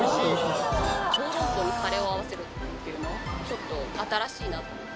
小籠包にカレーを合わせるっていうのが、ちょっと新しいなと思う。